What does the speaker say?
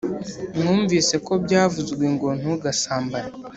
“Mwumvise ko byavuzwe ngo ‘Ntugasambane.’